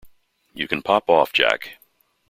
You can pop off, Jack.